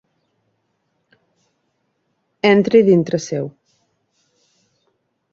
Entri dintre seu.